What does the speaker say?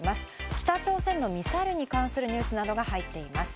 北朝鮮のミサイルに関するニュースなどが入っています。